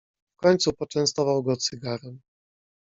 "W końcu poczęstował go cygarem."